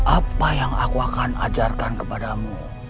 apa yang aku akan ajarkan kepadamu